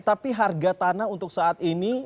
tapi harga tanah untuk saat ini